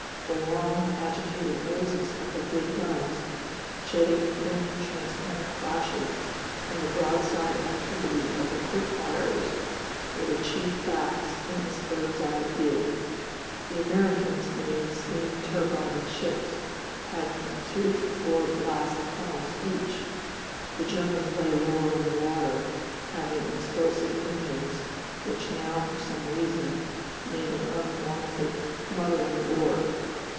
The long, agitated noses of their big guns, jetting thin transparent flashes and the broadside activity of the quick firers, were the chief facts in this bird's eye view. The Americans being steam turbine ships, had from two to four blast funnels each; the Germans lay lower in the water, having explosive engines, which now for some reason made an unwonted muttering roar.